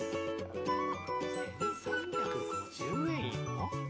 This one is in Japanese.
１３５０円よ